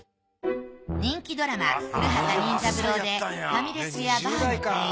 人気ドラマ『古畑任三郎』でファミレスやバーの店員